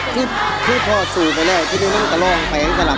คุณสรพองร้องได้หรือว่าร้องผิดครับ